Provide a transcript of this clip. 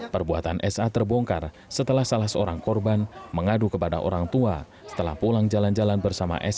perbuatan sa terbongkar setelah salah seorang korban mengadu kepada orang tua setelah pulang jalan jalan bersama sa